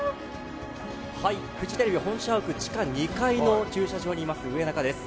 フジテレビ本社屋地下２階の駐車場にいます上中です。